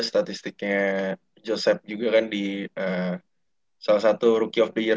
statistiknya joseph juga kan di salah satu rookie of the year